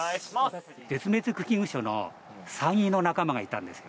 絶滅危惧種のサギの仲間がいたんですよ。